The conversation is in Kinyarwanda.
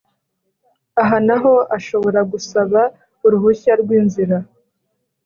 aha n aho ashobora gusaba uruhushya rw’inzira.